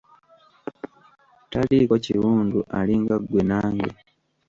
Taliiko kiwundu alinga ggwe nange.